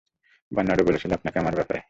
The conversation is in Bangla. বার্নার্ডো বলেছিল আমাকে আপনার ব্যাপারে।